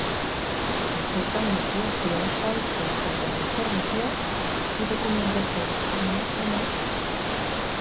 El seu camp d'actuació sol ser el de la Informació i Documentació.